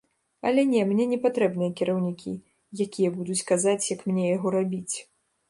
Але, не, мне не патрэбныя кіраўнікі, якія будуць казаць, як мне яго рабіць.